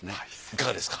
いかがですか？